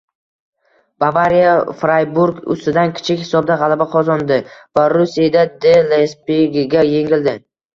“Bavariya” “Frayburg” ustidan kichik hisobda g‘alaba qozondi, “Borussiya D” “Leypsig”ga yengildi